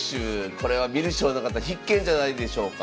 これは観る将の方必見じゃないでしょうか。